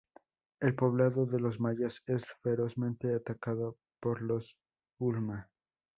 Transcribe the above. El poblado de los Mayas es ferozmente atacado por los Ulma.